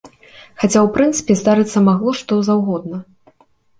Хаця ў прынцыпе здарыцца магло, што заўгодна.